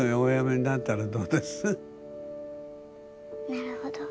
なるほど。